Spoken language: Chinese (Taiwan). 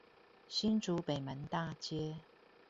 新竹北門大街